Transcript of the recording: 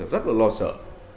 rất là lo sợ